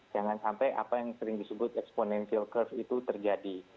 jangan sampai apa yang sering disebut exponential curve itu terjadi